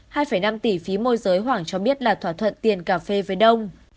hai năm tỷ phí môi giới hoảng cho biết là thỏa thuận tiền cà phê với đông